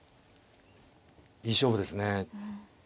いい勝負ですね。